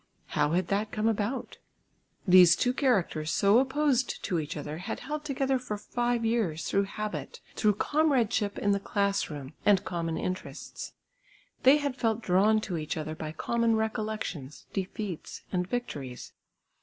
How had that come about? These two characters so opposed to each other had held together for five years through habit, through comradeship in the class room, and common interests; they had felt drawn to each other by common recollections, defeats and victories.